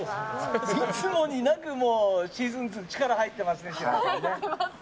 いつになくシーズン２力が入ってますね。